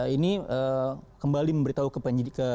ini kembali memberitahu ke penyidik